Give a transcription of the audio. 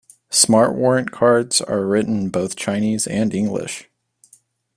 Smart warrant cards are written in both Chinese and English.